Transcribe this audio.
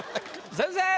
先生！